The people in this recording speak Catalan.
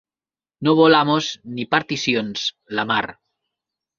No vol amos ni particions, la mar.